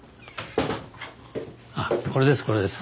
これですこれです。